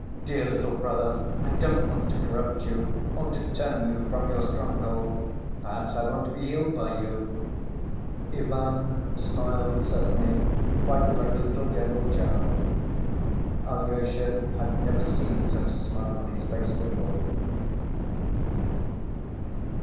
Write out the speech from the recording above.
Dear little brother, I don't want to corrupt you or to turn you from your stronghold, perhaps I want to be healed by you." Ivan smiled suddenly quite like a little gentle child. Alyosha had never seen such a smile on his face before.